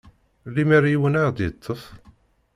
Lemer yiwen ad ɣ-yeṭṭef?